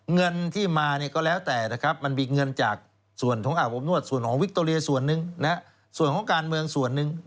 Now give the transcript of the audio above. เงินที่มาเนี่ยก็แล้วแต่นะครับมันมีเงินจากส่วนของอาบอบนวดส่วนของวิคโตเรียส่วนหนึ่งส่วนของการเมืองส่วนหนึ่ง